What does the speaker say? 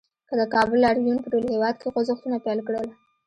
د کابل لاریون په ټول هېواد کې خوځښتونه پیل کړل